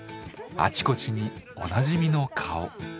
あちこちにおなじみの顔。